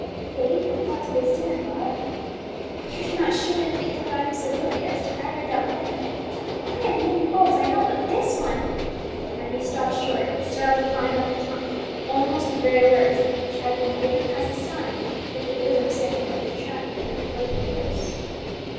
"Faith in God's wisdom and love! Oh, you do not surely think that I am so wicked as ever to doubt them! I have many faults, I know, but this one " Emmie stopped short, startled to find on her tongue almost the very words which had been given as a sign that the bosom sin had been tracked to its lurking place.